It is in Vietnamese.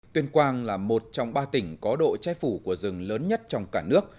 tuyên quang là một trong ba tỉnh có độ che phủ của rừng lớn nhất trong cả nước